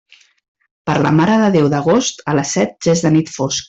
Per la Mare de Déu d'agost, a les set ja és de nit fosc.